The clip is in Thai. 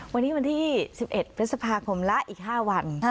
วันนี้วันที่๑๑พฤษภาคมและอีก๕วัน